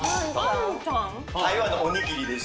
台湾のお握りです。